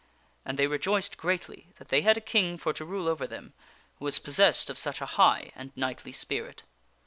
And they rejoiced greatly that they had a king for to rule over them who was possessed of such a high and knightly spirit.